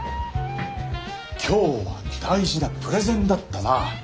今日は大事なプレゼンだったな。